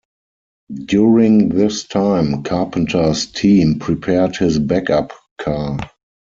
During this time, Carpenter's team prepared his back-up car.